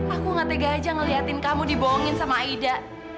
aku gak tega aja ngeliatin kamu dibohongin sama aida